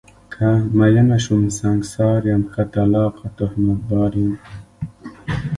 که میینه شوم سنګسار یم، که طلاقه تهمت بار یم